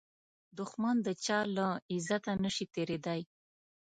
دښمن د چا له عزته نشي تېریدای